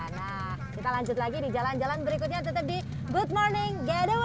nah kita lanjut lagi di jalan jalan berikutnya tetap di good morning